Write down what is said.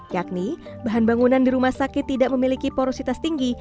yakni bahan bangunan di rumah sakit tidak memiliki porositas tinggi